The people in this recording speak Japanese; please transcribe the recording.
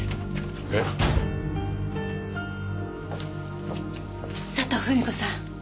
えっ？佐藤ふみ子さん